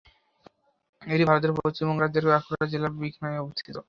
এটি ভারতের পশ্চিমবঙ্গ রাজ্যের বাঁকুড়া জেলার বিকনায় অবস্থিত।